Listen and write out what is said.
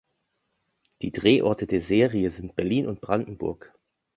Die Drehorte der Serie sind Berlin und Brandenburg.